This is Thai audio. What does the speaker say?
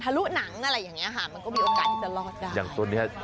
ทะลุหนังอะไรแยอังงี้อ่ะมันก็มีโอกาสทั้งตลอดได้